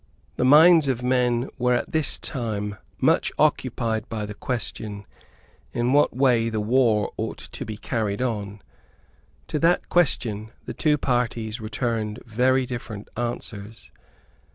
The minds of men were at this time much occupied by the question, in what way the war ought to be carried on. To that question the two parties returned very different answers.